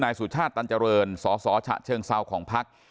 สุชาติตันเจริญสสฉะเชิงเซาของพัก